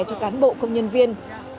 cho cán bộ công nhân viên